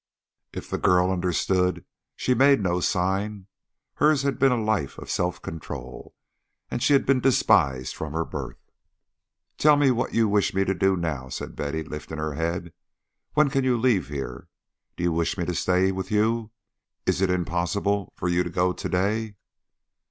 If the girl understood, she made no sign; hers had been a life of self control, and she had been despised from her birth. "Tell me what you wish me to do now," said Betty, lifting her head. "When can you leave here? Do you wish me to stay with you? Is it impossible for you to go to day?"